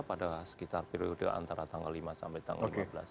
pada sekitar periode antara tanggal lima sampai tanggal lima belas